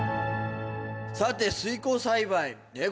さて水耕栽培えっ